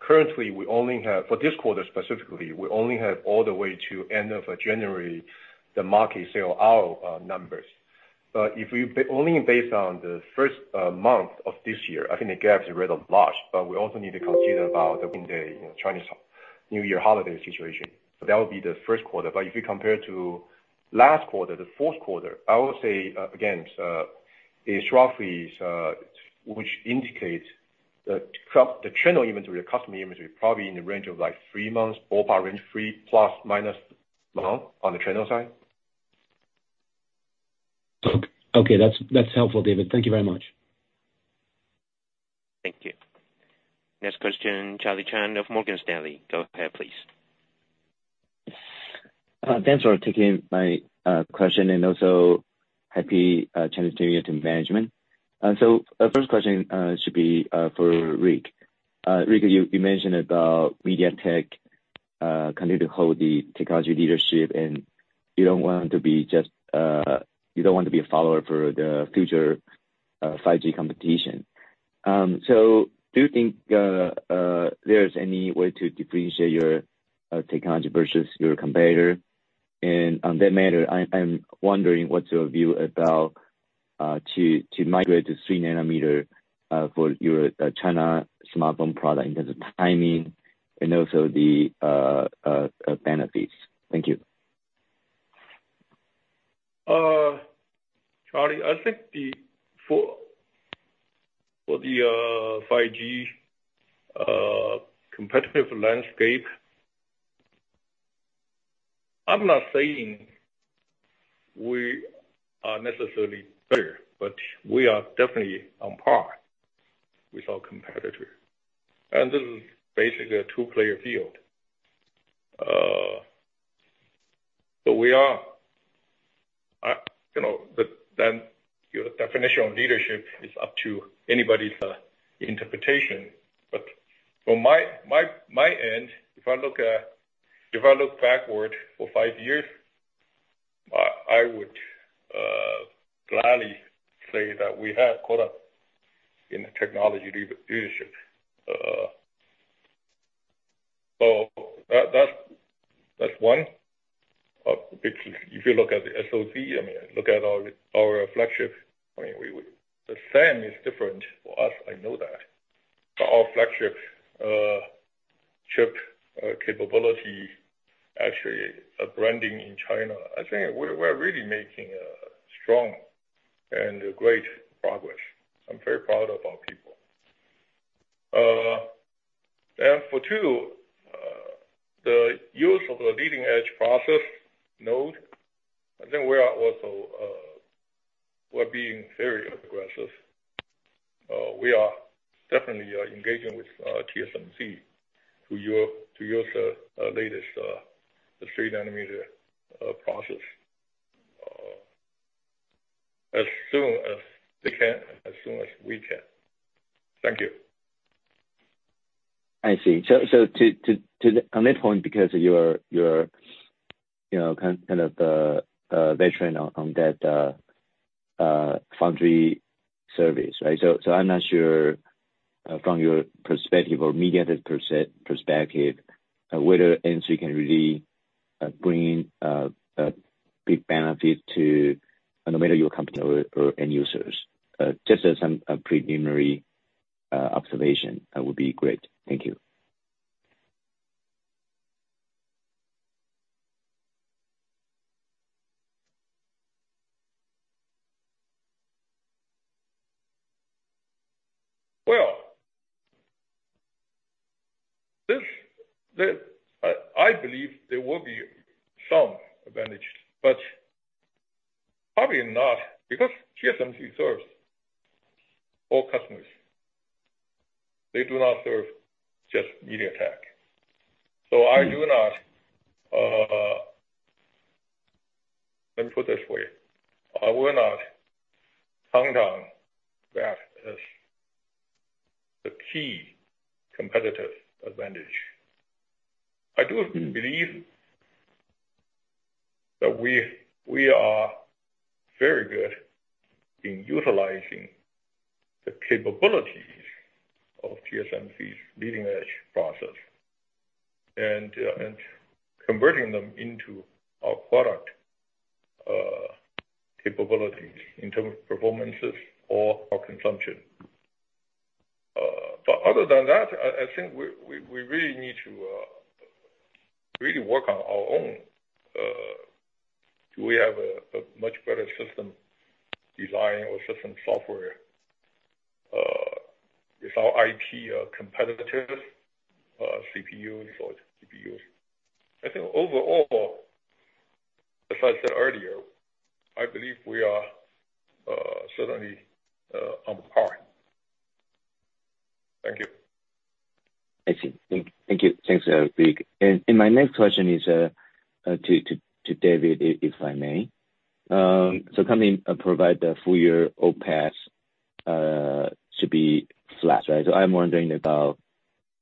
currently we only have for this quarter specifically, we only have all the way to end of January, the market sale out numbers. If we only based on the first month of this year, I think the gap is really large. We also need to consider about the, you know, Chinese New Year holiday situation. That would be the first quarter. If you compare to last quarter, the fourth quarter, I would say again, it's roughly which indicates the channel inventory, the customer inventory, probably in the range of like three months, ballpark range, 3± a month on the channel side. Okay, that's helpful, David. Thank you very much. Thank you. Next question, Charlie Chan of Morgan Stanley, go ahead, please. Thanks for taking my question and also happy Chinese New Year to management. First question should be for Rick. Rick, you mentioned about MediaTek continue to hold the technology leadership, and you don't want to be just a follower for the future 5G competition. Do you think there is any way to differentiate your technology versus your competitor? On that matter, I'm wondering what's your view about to migrate to 3 nanometer for your China smartphone product in terms of timing and also the benefits. Thank you. Charlie, I think for the 5G competitive landscape, I'm not saying we are necessarily better, but we are definitely on par with our competitor. This is basically a two-player field. We are, you know, but then your definition of leadership is up to anybody's interpretation. From my end, if I look backward for five years, I would gladly say that we have caught up in the technology leadership. That's one. Because if you look at the SOP, I mean, look at our flagship, I mean, The SAM is different for us, I know that. Our flagship chip capability, actually our branding in China, I think we're really making a strong and great progress. I'm very proud of our people. For two, the use of the leading edge process node, I think we are also, we're being very aggressive. We are definitely, engaging with TSMC to use latest, the 3 nanometer process as soon as they can, as soon as we can. Thank you. I see. To the... On that point, because you're, you know, kind of the veteran on that foundry service, right? I'm not sure, from your perspective or MediaTek perspective, whether AMD can really bring a big benefit to no matter your company or end users. Just as some, a preliminary observation, that would be great. Thank you. This, the, I believe there will be some advantage, but probably not because TSMC serves all customers. They do not serve just MediaTek. I do not, let me put it this way. I will not count on that as the key competitive advantage. I do believe that we are very good in utilizing the capabilities of TSMC's leading edge process and converting them into our product capabilities in terms of performances or our consumption. Other than that, I think we really need to really work on our own. Do we have a much better system design or system software? Is our IP competitive CPUs or GPUs? I think overall, as I said earlier, I believe we are certainly on par. Thank you. I see. Thank you. Thanks, Rick. My next question is to David, if I may. Company provide the full year OpEx to be flat, right? I'm wondering about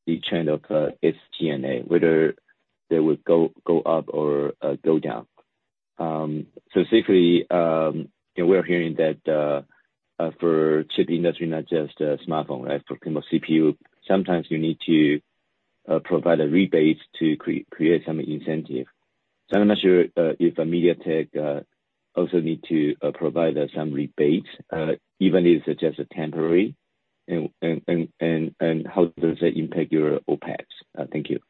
the trend of SG&A, whether they would go up or go down. Specifically, you know, we're hearing that for chip industry, not just smartphone, right? For pretty much CPU, sometimes you need to provide a rebate to create some incentive. I'm not sure if MediaTek also need to provide some rebates, even if it's just temporary and how does it impact your OpEx? Thank you.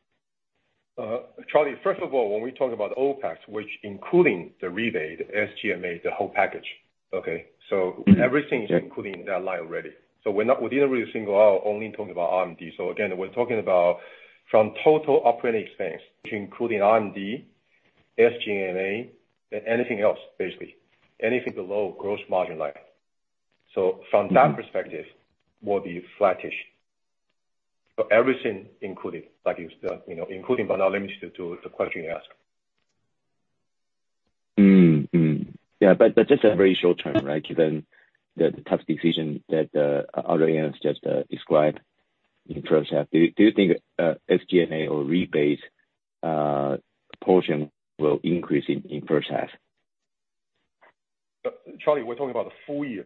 Charlie, first of all, when we talk about OpEx, which including the rebate, SG&A, the whole package. Okay. Everything is included in that line already. We didn't really single out only talking about R&D. Again, we're talking about from total operating expense, including R&D, SG&A, anything else, basically. Anything below gross margin line. From that perspective, will be flattish. Everything included, like you said, you know, including but not limited to the question you asked. Yeah. Just a very short term, right? Given the tough decision that Adrian has just described in first half. Do you think SG&A or rebates portion will increase in first half? Charlie, we're talking about the full year.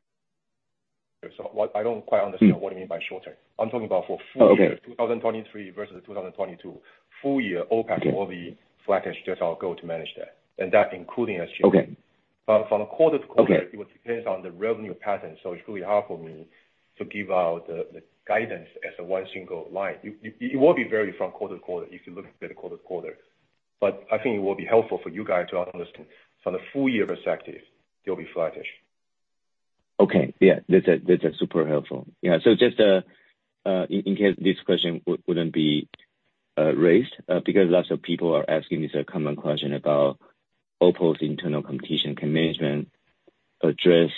What I don't quite understand what you mean by short term. I'm talking about for full year. Okay. 2023 versus 2022. Full year OpEx will be flattish. That's our goal to manage that. That including SG&A. Okay. from a quarter-to-quarter. Okay. It would depend on the revenue pattern. It's really hard for me to give out the guidance as a one single line. It will be varied from quarter-to-quarter if you look at it quarter to quarter. I think it will be helpful for you guys to understand from the full year perspective, it'll be flattish. Okay. Yeah. That's, that's super helpful. Yeah. Just in case this question wouldn't be raised, because lots of people are asking this common question about Oppo's internal competition. Can management address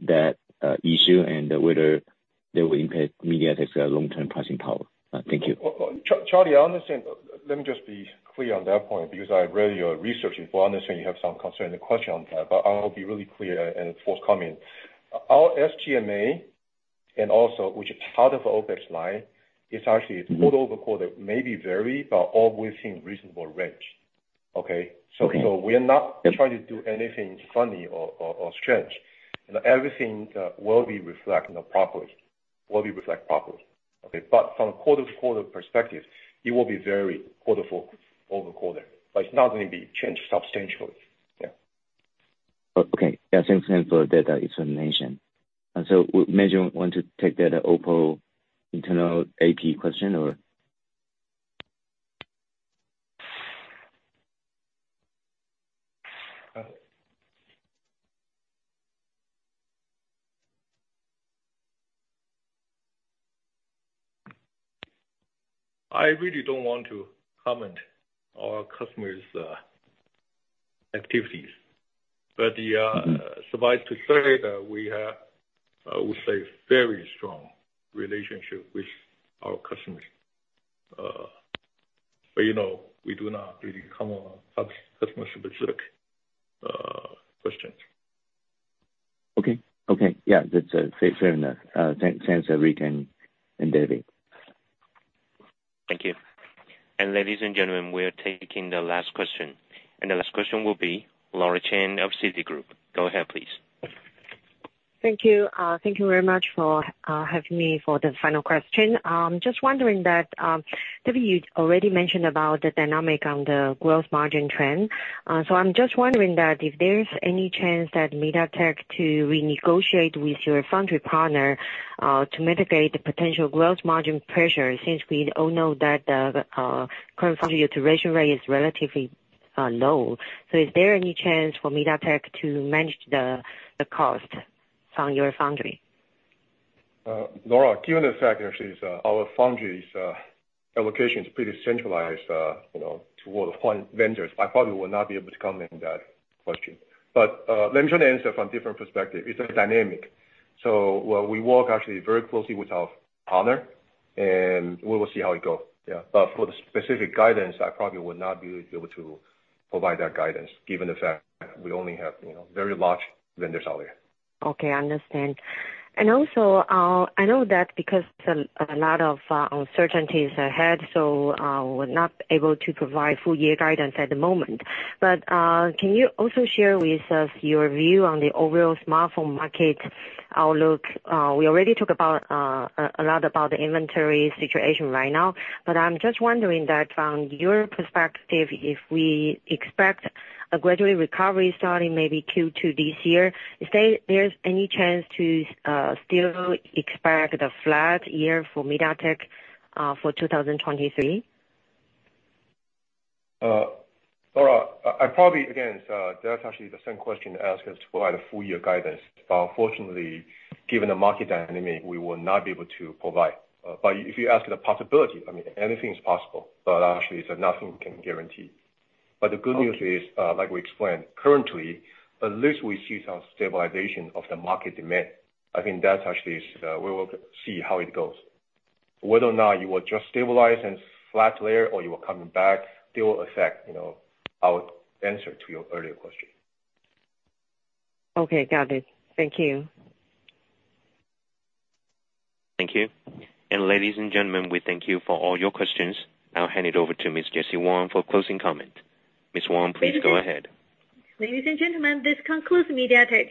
that issue and whether they will impact MediaTek's long-term pricing power? Thank you. Well, Charlie, I understand. Let me just be clear on that point because I read your research and I understand you have some concern and question on that, but I'll be really clear and forthcoming. Our SG&A, and also, which is part of OpEx line, is actually quarter-over-quarter, maybe vary but always in reasonable range. Okay? Okay. We are not trying to do anything funny or strange. You know, everything will be reflect properly. Okay? From quarter to quarter perspective, it will be very quarter over quarter. It's not gonna be changed substantially. Yeah. Okay. Yeah. Thanks again for that explanation. Maybe you want to take that Oppo internal AP question or? I really don't want to comment our customers' activities. Suffice to say that we have, I would say, a very strong relationship with our customers. You know, we do not really comment on customer specific questions. Okay. Okay. Yeah. That's fair enough. Thanks, Rick and David. Thank you. ladies and gentlemen, we are taking the last question. The last question will be Laura Chen of Citigroup. Go ahead, please. Thank you. Thank you very much for having me for the final question. Just wondering that David, you already mentioned about the dynamic on the gross margin trend. I'm just wondering that if there's any chance that MediaTek to renegotiate with your foundry partner to mitigate the potential gross margin pressure since we all know that the current foundry utilization rate is relatively low. Is there any chance for MediaTek to manage the cost on your foundry? Laura, given the fact actually is, our foundry's allocation is pretty centralized, you know, to all the point vendors, I probably will not be able to comment on that question. Let me try to answer from different perspective. It's a dynamic. While we work actually very closely with our partner, and we will see how it goes. For the specific guidance, I probably would not be able to provide that guidance given the fact that we only have, you know, very large vendors out there. Okay, understand. Also, I know that because there's a lot of uncertainties ahead, so, we're not able to provide full year guidance at the moment. Can you also share with us your view on the overall smartphone market outlook? We already talk about a lot about the inventory situation right now, but I'm just wondering that from your perspective, if we expect a gradual recovery starting maybe Q2 this year, is there any chance to still expect the flat year for MediaTek for 2023? Laura, I probably against, that's actually the same question to ask us to provide a full year guidance. Unfortunately, given the market dynamic, we will not be able to provide. If you ask the possibility, I mean anything is possible, but actually it's nothing we can guarantee. The good news is, like we explained, currently, at least we see some stabilization of the market demand. I think that actually is, we will see how it goes. Whether or not you will just stabilize and flat layer or you are coming back still affect, you know, our answer to your earlier question. Okay, got it. Thank you. Thank you. Ladies and gentlemen, we thank you for all your questions. I'll hand it over to Miss Jessie Wang for closing comment. Miss Wang, please go ahead. Ladies and gentlemen, this concludes MediaTek's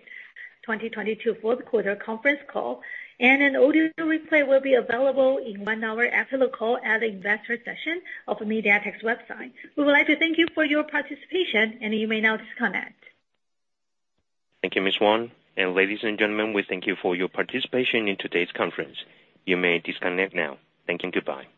2022 fourth quarter conference call, and an audio replay will be available in 1 hour after the call at investor session of MediaTek's website. We would like to thank you for your participation and you may now disconnect. Thank you, Miss Wang. Ladies and gentlemen, we thank you for your participation in today's conference. You may disconnect now. Thank you and goodbye.